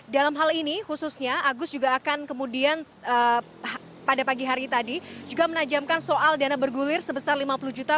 dalam hal ini khususnya agus juga akan kemudian pada pagi hari tadi juga menajamkan soal dana bergulir sebesar lima puluh juta